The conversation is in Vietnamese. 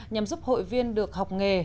nhằm giúp hội viên được học nghề